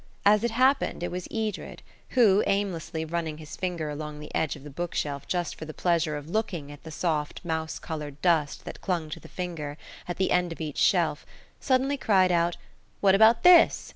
As it happened, it was Edred who, aimlessly running his finger along the edge of the bookshelf just for the pleasure of looking at the soft, mouse coloured dust that clung to the finger at the end of each shelf, suddenly cried out, "What about this?"